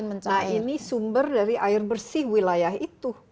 nah ini sumber dari air bersih wilayah itu